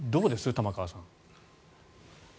玉川さん。